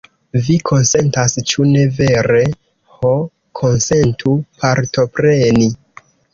Vi konsentas, ĉu ne vere? Ho, konsentu partopreni!